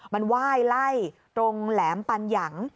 มันไหว้ไล่ตรงแหลมปันหยัง